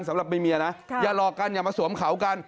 สำหรับมีเมียนะอย่าหลอกกันอย่ามาสวมเขากัน